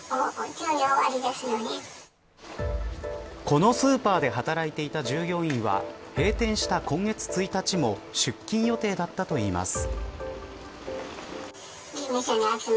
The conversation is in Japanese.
このスーパーで働いていた従業員は閉店した今月１日も出勤予定だったといいます。